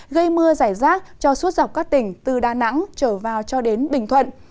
gây mưa giải rác cho suốt dọc các tỉnh từ đà nẵng trở vào cho đến bình thuận